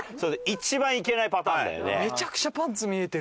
一番いけないパターンだよね。